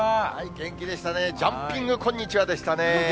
元気でしたね、ジャンピングこんにちはでしたね。